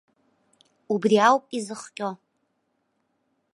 Убри ауп изыхҟьо.